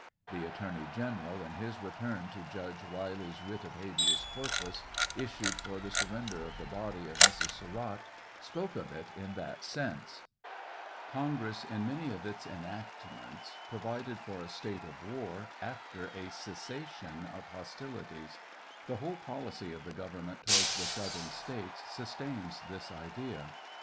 The Attorney General in TRIAL 01? HENRY WIRZ. 729 his return to Judge Wylie's writ of habeas co? pus, issued for the surrender of the body of Mrs. Surratt, spoke of it in that sense. Congress in many of its enactments provided for a state of war after a ces sation of hostilities. The whole policy of the government towards the southern States sustains this idea.